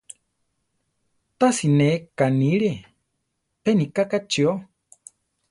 Tasi ne ká niire, pe nika kachío.